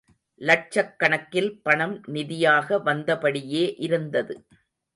லட்சக் கணக்கில் பணம் நிதியாக வந்தபடியே இருந்தது.